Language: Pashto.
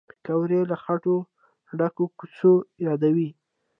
پکورې له خټو ډکو کوڅو یادوي